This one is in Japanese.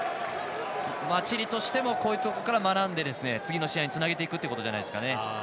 チリとしてもこういうところから学んで次の試合につなげていくというところじゃないですかね。